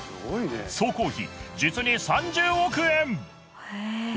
総工費実に３０億円！